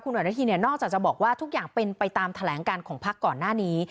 อนุทินเนี่ยนอกจากจะบอกว่าทุกอย่างเป็นไปตามแถลงการของพักก่อนหน้านี้